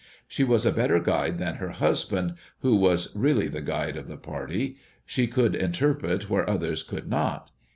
She was a better guide than her husband, who was really the guide of the party. She could interpret where others could not.